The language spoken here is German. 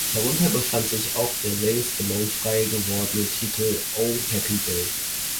Darunter befand sich auch der längst gemeinfrei gewordene Titel "Oh Happy Day".